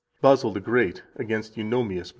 81 BASIL THE GREAT, Against Eunomius, lib.